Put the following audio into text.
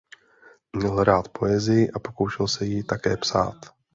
Měl rád poezii a pokoušel se ji také psát.